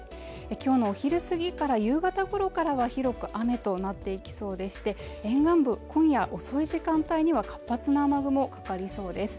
今日のお昼過ぎから夕方ごろからは広く雨となっていきそうでして沿岸部今夜遅い時間帯には活発な雨雲かかりそうです